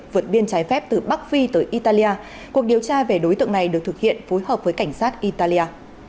vượt biên trái phép từ bắc phi tới italia cuộc điều tra về đối tượng này được thực hiện phối hợp với cảnh sát italia